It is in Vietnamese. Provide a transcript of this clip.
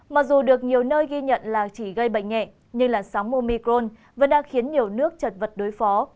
mặc dù được nhiều nơi ghi nhận là chỉ gây bệnh nhẹ nhưng làn sóng momicron vẫn đang khiến nhiều nước chật vật đối phó